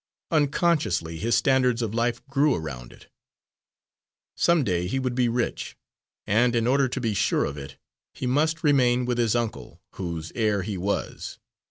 Unconsciously his standards of life grew around it. Some day he would be rich, and in order to be sure of it, he must remain with his uncle, whose heir he was.